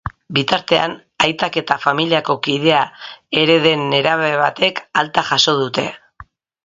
Bitartean, aitak eta familiako kidea ere den nerabe batek alta jaso dute.